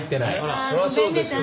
そりゃそうですよ。